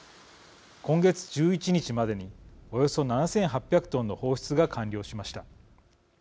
今月１１日までにおよそ７，８００トンの放出が完了しました。